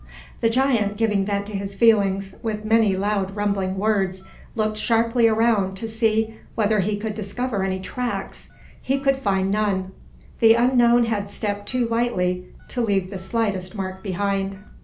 The giant, giving vent to his feelings with many loud rumbling words, looked sharply around to see whether he could discover any tracks. He could find none. The unknown had stepped too lightly to leave the slightest mark behind.